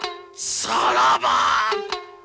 さらば！